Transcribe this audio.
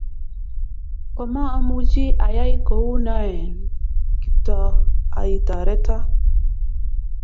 ko maa omuchi ayai kou noee nKiptooaitoreto